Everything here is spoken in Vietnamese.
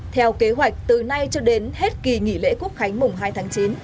theo kế hoạch từ nay cho đến hết kỳ nghỉ lễ quốc khánh mùng hai tháng chín